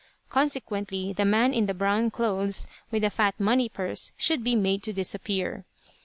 Consequently the man in the brown clothes, with the fat money purse, should be made to disappear.